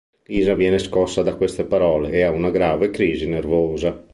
Lisa viene scossa da queste parole e ha una grave crisi nervosa.